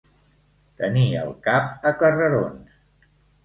Tenir el cap a carrerons.